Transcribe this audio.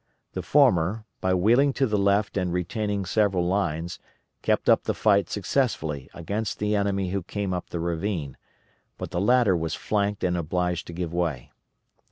The former, by wheeling to the left and retaining several lines, kept up the fight successfully against the enemy who came up the ravine, but the latter was flanked and obliged to give way.